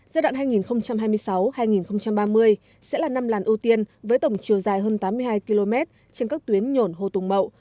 giai đoạn hai nghìn hai mươi sáu hai nghìn ba mươi sẽ là năm làn ưu tiên với tổng chiều dài hơn tám mươi hai km trên các tuyến nhổn hồ tùng mậu